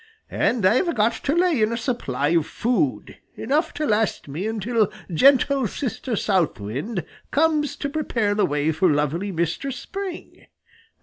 And I've got to lay in a supply of food, enough to last me until gentle Sister South Wind comes to prepare the way for lovely Mistress Spring.